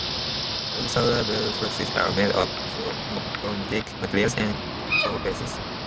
Water-soluble fluxes are made up of organic materials and glycol bases.